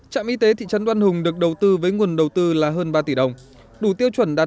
trạm y tế thị trấn đoan hùng được đầu tư với nguồn đầu tư là hơn ba tỷ đồng đủ tiêu chuẩn đạt